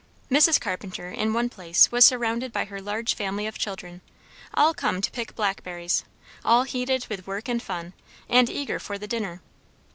Mrs. Carpenter in one place was surrounded by her large family of children; all come to pick blackberries, all heated with work and fun, and eager for the dinner.